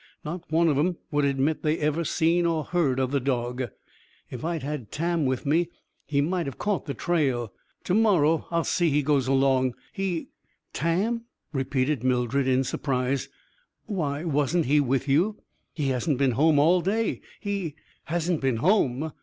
Not one of 'em, would admit they'd ever seen or heard of the dog. If I'd had Tam with me, I might have caught the trail. To morrow, I'll see he goes along. He " "Tam?" repeated Mildred, in surprise. "Why, wasn't he with you? He hasn't been home all day. He " "Hasn't been home?